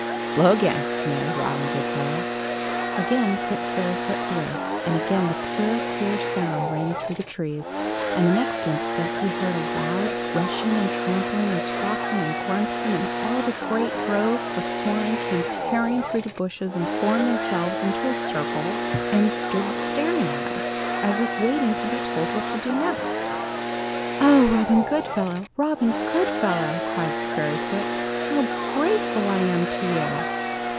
"Blow again," commanded Robin Goodfellow. Again Prince Fairyfoot blew, and again the pure clear sound rang through the trees, and the next instant he heard a loud rushing and tramping and squeaking and grunting, and all the great drove of swine came tearing through the bushes and formed themselves into a circle and stood staring at him as if waiting to be told what to do next. "Oh, Robin Goodfellow, Robin Goodfellow!" cried Fairyfoot, "how grateful I am to you!"